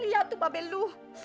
lihat tuh babel lo